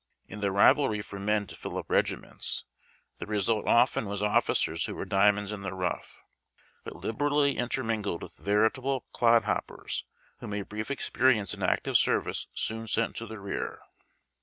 In the rivalry for men to fill up regiments, the result often was officers who were diamonds in the rough, but liber all}' inter mingled with veritable clod hoppers whom a brief experience in active service soon sent to tlie rear.